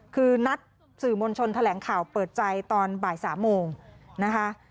คือนัดสื่อมวลชนแถลงข่าวเปิดใจตอนบ่าย๓โมงนะคะ